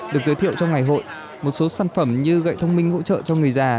được giới thiệu trong ngày hội một số sản phẩm như gậy thông minh hỗ trợ cho người già